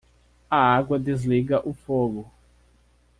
A água desliga o fogo.